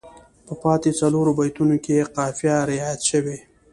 په پاتې څلورو بیتونو کې یې قافیه رعایت شوې.